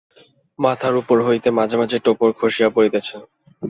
মাথার উপর হইতে মাঝে মাঝে টোপর খসিয়া পড়িতেছে।